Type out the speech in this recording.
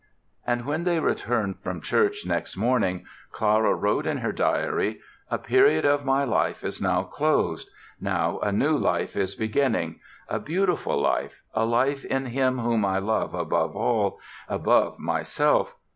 And when they returned from church next morning Clara wrote in her diary: "A period of my life is now closed.... Now a new life is beginning, a beautiful life, a life in him whom I love above all, above myself.